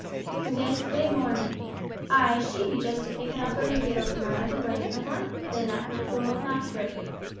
"'Twas yest'day mornin'. Ay, she be just a kickin' up her heels miles away and a laughin' at her poor old master.